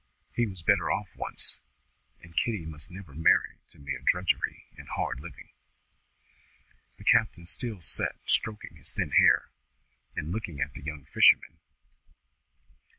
He was better off once, and Kitty must never marry to mere drudgery and hard living." The captain still sat stroking his thin hair, and looking at the young fisherman.